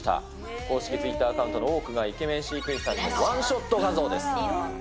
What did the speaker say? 公式ツイッターアカウントの多くがイケメン飼育さんのワンショット画像です。